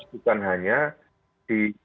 bukan hanya di